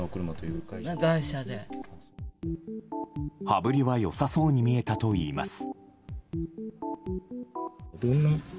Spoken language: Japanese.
羽振りは良さそうに見えたといいます。